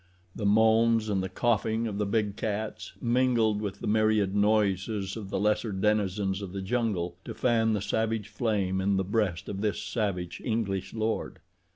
The moans and the coughing of the big cats mingled with the myriad noises of the lesser denizens of the jungle to fan the savage flame in the breast of this savage English lord.